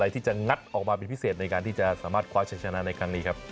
ที่จะงัดออกมาเป็นพิเศษในการที่จะสามารถคว้าใช้ชนะในครั้งนี้ครับ